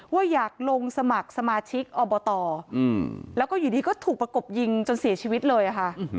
ว่าอยากลงสมัครสมาชิกอบตแล้วก็อยู่ดีก็ถูกประกบยิงจนเสียชีวิตเลยค่ะ